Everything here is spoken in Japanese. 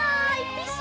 ピシ！